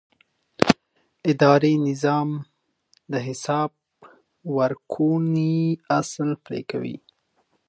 اداري نظام د حساب ورکونې اصل پلي کوي.